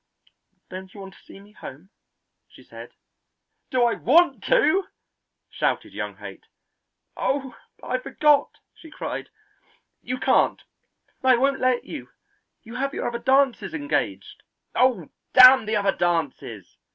"Don't you want to see me home?" she said. "Do I want to?" shouted young Haight. "Oh, but I forgot," she cried. "You can't. I won't let you. You have your other dances engaged!" "Oh, damn the other dances!"